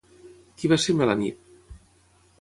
Qui va ser Melanip?